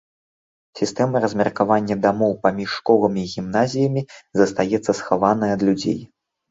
Сістэма размеркавання дамоў паміж школамі і гімназіямі застаецца схаванай ад людзей.